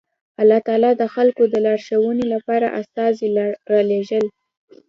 الله تعالی د خلکو د لارښوونې لپاره استازي رالېږل